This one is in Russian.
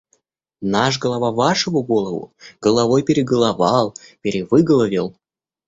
Наш голова вашего голову головой переголовал, перевыголовил.